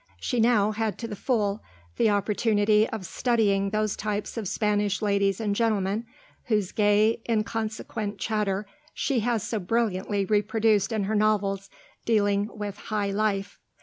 She now had to the full the opportunity of studying those types of Spanish ladies and gentlemen whose gay, inconsequent chatter she has so brilliantly reproduced in her novels dealing with high life.